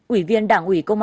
ủy viên đảng ủy